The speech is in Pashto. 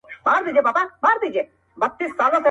داسي وخت هم وو مور ويله راتــــــــــه.